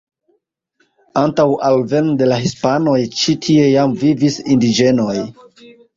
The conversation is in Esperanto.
Antaŭ alveno de la hispanoj ĉi tie jam vivis indiĝenoj.